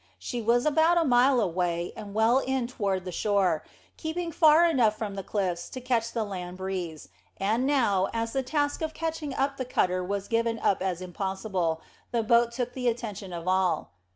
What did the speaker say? She was about a mile away, and well in toward the shore, keeping far enough from the cliffs to catch the land breeze, and now, as the task of catching up the cutter was given up as impossible, the boat took the attention of all.